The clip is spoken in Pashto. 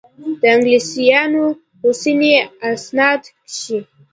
د انګلیسیانو اوسني اسناد ښيي.